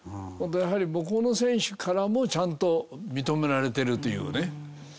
やはり向こうの選手からもちゃんと認められてるというね。